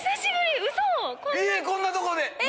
ウソ⁉こんなとこで！